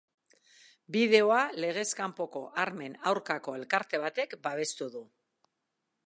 Bideoa legez kanpoko armen aurkako elkarte batek babestu du.